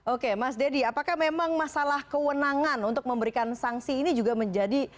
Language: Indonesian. oke mas deddy apakah memang masalah kewenangan untuk memberikan sanksi ini juga menjadi